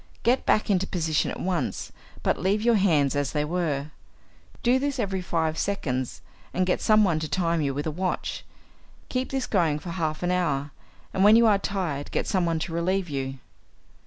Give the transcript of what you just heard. Get back into position at once, but leave your hands as they were. Do this every five seconds, and get someone to time you with a watch. Keep this going for half an hour, and when you are tired get someone to relieve you.